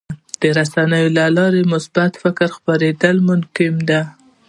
د رسنیو له لارې د مثبت فکر خپرېدل ممکن دي.